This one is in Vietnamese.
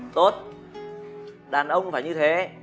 tốt đàn ông cũng phải như thế